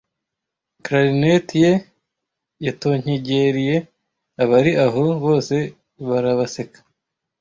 Clarinet ye yatonkigeliye, abari aho bose barabaseka.